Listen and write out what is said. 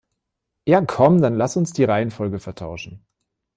Ja, komm, dann lass uns die Reihenfolge vertauschen.